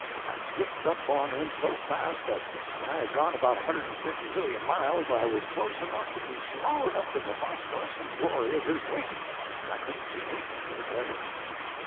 I slipped up on him so fast that when I had gone about 150,000,000 miles I was close enough to be swallowed up in the phosphorescent glory of his wake, and I couldn't see anything for the glare.